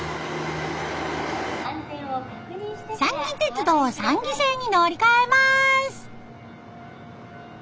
三岐鉄道三岐線に乗り換えます。